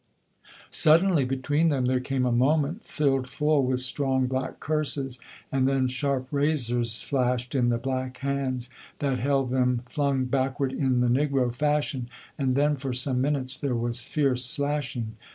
Suddenly between them there came a moment filled full with strong black curses, and then sharp razors flashed in the black hands, that held them flung backward in the negro fashion, and then for some minutes there was fierce slashing.